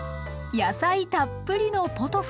野菜たっぷりのポトフです。